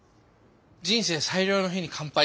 人生最良の日に乾杯。